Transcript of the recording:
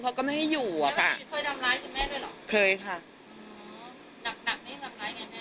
เขาก็ไม่ให้อยู่อะค่ะเคยค่ะอ๋อดักดักนี้รับร้ายไงแม่